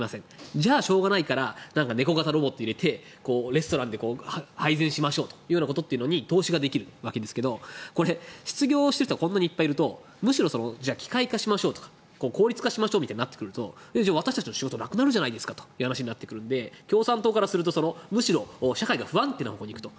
じゃあしょうがないからネコ型ロボットを入れてレストランで配膳しましょうということに投資ができるわけですけど失業している人がこんなにいるとむしろ機械化しましょう効率化しましょうとなるとじゃあ、私たちの仕事なくなるじゃないかという話になってくるので共産党からするとむしろ社会が不安定なほうに行くと。